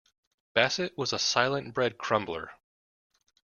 Bassett was a silent bread crumbler.